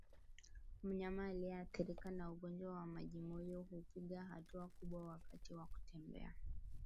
Mnyama aliyeathirika na ugonjwa wa mamjimoyo hupiga hatua kubwa wakati wa kutembea